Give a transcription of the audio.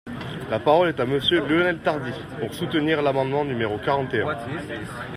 La parole est à Monsieur Lionel Tardy, pour soutenir l’amendement numéro quarante et un.